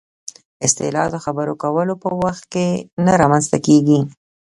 اصطلاح د خبرو کولو په وخت کې نه رامنځته کېږي